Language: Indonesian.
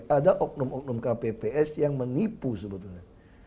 ada oknum oknum kpps yang menipu sebetulnya